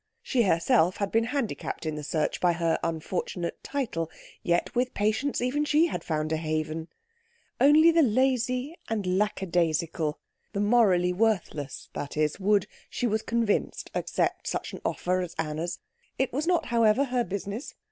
She herself had been handicapped in the search by her unfortunate title, yet with patience even she had found a haven. Only the lazy and lackadaisical, the morally worthless, that is, would, she was convinced, accept such an offer as Anna's. It was not, however, her business.